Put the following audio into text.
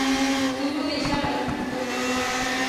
Imos deixalo aquí.